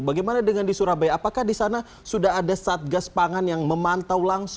bagaimana dengan di surabaya apakah di sana sudah ada satgas pangan yang memantau langsung